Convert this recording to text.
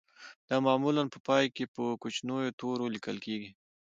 دا معمولاً په پای کې په کوچنیو تورو لیکل کیږي